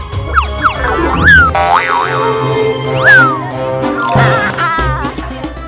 kamu harus siap